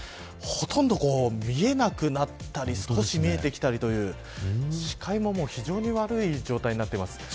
ほとんど見えなくなったり少し見えてきたりという視界も非常に悪い状態です。